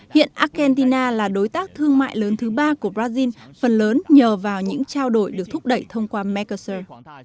hiện argentina là đối tác thương mại lớn thứ ba của brazil phần lớn nhờ vào những trao đổi được thúc đẩy thông qua megasur